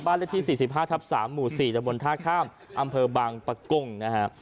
เลขที่๔๕ทับ๓หมู่๔ตะบนท่าข้ามอำเภอบางปะกงนะฮะ